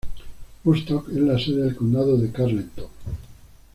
Woodstock es la sede del condado de Carleton.